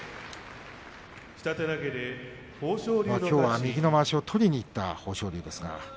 きょうは右のまわしを取りにいった豊昇龍です。